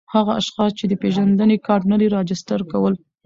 هغه اشخاص چي د پېژندني کارت نلري راجستر کول